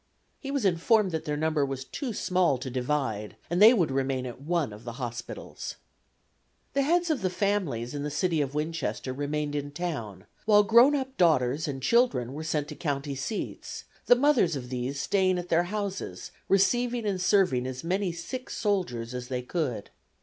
He was informed that their number was too small to divide and they would remain at one of the hospitals. The heads of families in the city of Winchester remained in town, while grown up daughters and children were sent to country seats, the mothers of these staying at their houses, receiving and serving as many sick soldiers as they could.